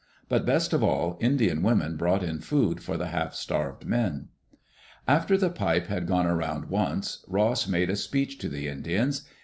But best of all, Indian women brought in food for the half starved men. After the pipe had gone around once, Ross made a speech to the Indians.